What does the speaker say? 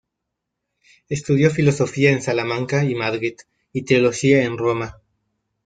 Estudió Filosofía en Salamanca y Madrid y Teología en Roma.